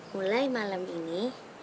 mulai malam ini